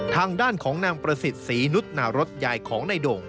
ทางด้านของนางประสิทธิ์ศรีนุษย์นารสยายของนายโด่ง